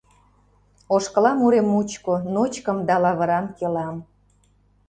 Ошкылам урем мучко, ночкым да лавырам келам.